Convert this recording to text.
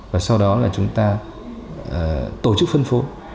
và sau đó là chúng ta tổ chức phân phối